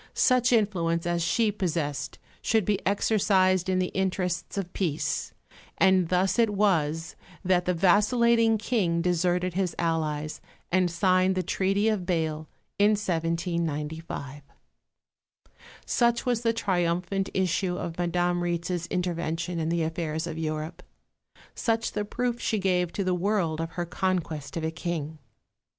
Such influence as she possessed should be exercised in the interests of peace, and thus it was that the vacillating King deserted his allies, and signed the Treaty of Bâle, in 1795. Such was the triumphant issue of Madame Rietz's intervention in the affairs of Europe; such the proof she gave to the world of her conquest of a King.